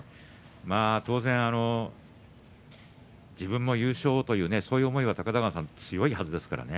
当然、自分も優勝という、そういう思いは強いはずですからね。